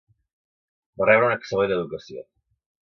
Va rebre una excel·lent educació.